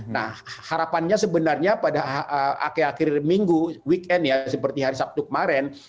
nah harapannya sebenarnya pada akhir akhir minggu weekend ya seperti hari sabtu kemarin